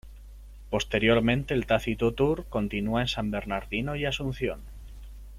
Posteriormente el Tácito Tour continúa en San Bernardino y Asunción.